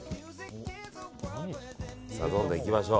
どんどんいきましょう。